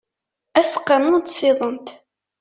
aseqqamu n tsiḍent